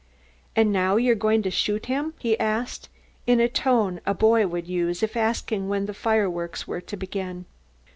"And now you're going to shoot him?" he asked, in the tone a boy would use if asking when the fireworks were to begin.